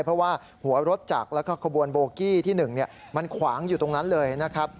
เพราะว่าหัวรถจักรแล้วก็ขบวนโบกี้ที่๑มันขวางอยู่ตรงนั้นเลยนะครับ